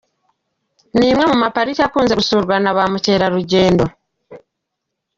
Ni imwe mu mapariki akunze gusurwa na ba mukerarugendo.